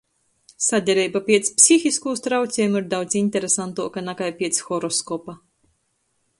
Sadereiba piec psihiskūs trauciejumu ir daudz interesnuoka nakai piec horoskopa.